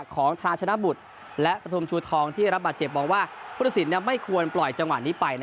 ของทราชนมุตรและประทมชูทองที่รับบัตรเจ็บบอกว่าพุทธศิลป์เนี่ยไม่ควรปล่อยจังหวัดนี้ไปนะครับ